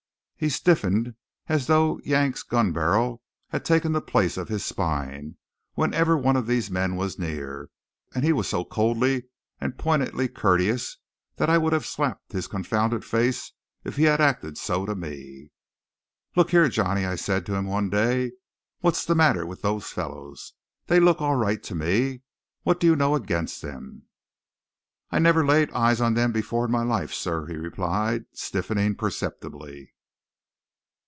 He stiffened as though Yank's gunbarrel had taken the place of his spine whenever one of these men was near; and he was so coldly and pointedly courteous that I would have slapped his confounded face if he had acted so to me. "Look here, Johnny," I said to him one day, "what's the matter with those fellows? They look all right to me. What do you know against them?" "I never laid eyes on them before in my life, sir," he replied, stiffening perceptibly.